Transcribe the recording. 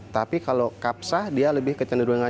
tapi kalau kapsah dia lebih kecenderungan